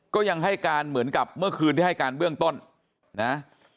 ก็ยังให้การเหมือนกับเมื่อคืนที่ให้การเบื้องต้นนะ